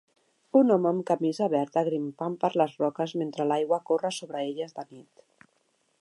Un home amb camisa verda grimpant per les roques mentre l'aigua corre sobre elles de nit.